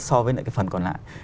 so với lại cái phần còn lại